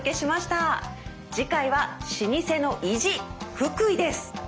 次回は「老舗の意地福井」です。